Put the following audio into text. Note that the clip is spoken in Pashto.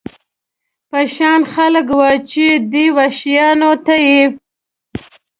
په شان خلک و، چې دې وحشیانو ته یې.